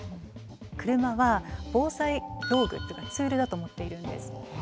車は防災道具っていうかツールだと思っているんです。